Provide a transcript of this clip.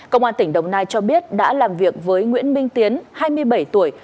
công an tỉnh đồng nai cho biết đã làm việc với nguyễn minh tiến hai mươi bảy tuổi